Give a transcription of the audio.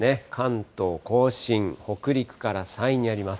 関東甲信、北陸から山陰にあります。